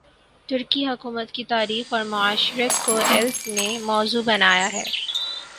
ترکی حکومت کی تاریخ اور معاشرت کو ایلف نے موضوع بنایا ہے